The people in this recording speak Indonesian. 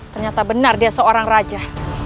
ternyata benar dia seorang raja